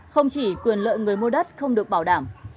không chỉ quyền lợi người mua đất không được bảo đảm